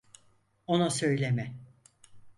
Ona söyleme.